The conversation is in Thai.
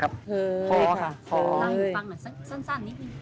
นั่งฟังหน่อยสั้นนิดนึง